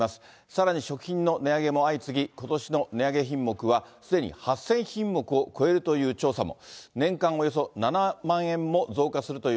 さらに食品の値上げも相次ぎ、ことしの値上げ品目は、すでに８０００品目を超えるという調査も。